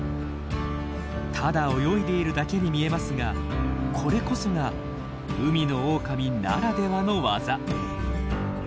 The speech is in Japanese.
ただ泳いでいるだけに見えますがこれこそが海のオオカミならではの技。